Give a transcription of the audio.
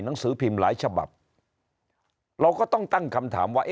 หนังสือพิมพ์หลายฉบับเราก็ต้องตั้งคำถามว่า